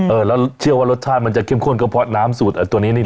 เออแล้วเชื่อว่ารสชาติมันจะเข้มข้นก็เพราะน้ำสูตรตัวนี้นิดน